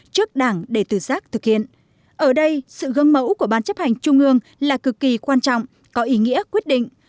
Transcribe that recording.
trước đảng để tự giác thực hiện ở đây sự gương mẫu của ban chấp hành trung ương là cực kỳ quan trọng có ý nghĩa quyết định